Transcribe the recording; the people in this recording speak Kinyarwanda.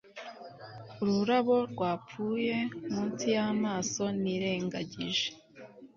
Ururabo rwapfuye munsi yamaso nirengagije